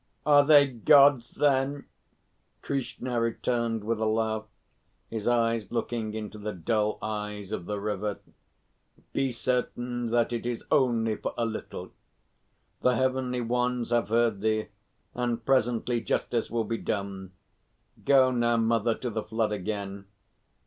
"Are they Gods, then?" Krishna returned with a laugh, his eyes looking into the dull eyes of the River. "Be certain that it is only for a little. The Heavenly Ones have heard thee, and presently justice will be done. Go now, mother, to the flood again.